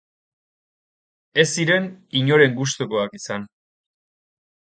Ez ziren inoren gustukoak izan.